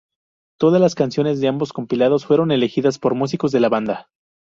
Todas las canciones de ambos compilados fueron elegidas por los músicos de la banda.